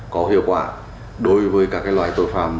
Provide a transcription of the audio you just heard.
có hiệu quả đối với các loại tội phạm